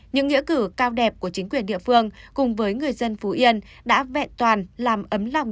những nghĩa cử cao đẹp của chính quyền địa phương cùng với người dân phú yên đã vẹn toàn làm ấm lòng